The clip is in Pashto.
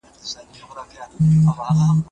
کوم عوامل عصبیت له منځه وړي؟